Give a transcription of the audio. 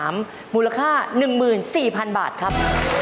มูลค่า๑๔๐๐๐บาทครับ